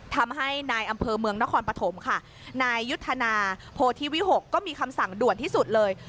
ทำให้นายอำเภอเมืองนครปฐมค่ะนายยุทธนาโพธิวิหกก็มีคำสั่งด่วนที่สุดเลย